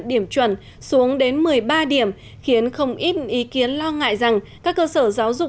điểm chuẩn xuống đến một mươi ba điểm khiến không ít ý kiến lo ngại rằng các cơ sở giáo dục